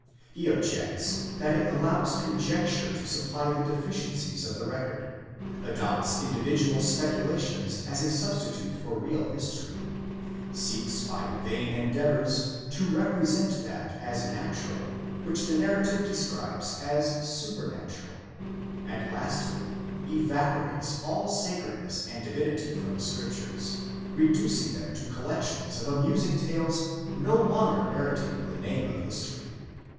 He objects: that it allows conjecture to supply the deficiencies of the record ; adopts individual specu lations as a substitute for real history ; seeks by vain endeavours to represent that as natural which the narrative describes as supernatural; and lastly, evaporates all sacredness and divinity from the Scriptures, reducing them to collections of amusing tales no longer meriting the name of history.